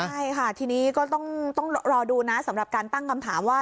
ใช่ค่ะทีนี้ก็ต้องรอดูนะสำหรับการตั้งคำถามว่า